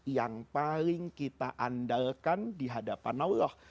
yang paling kita andalkan di hadapan allah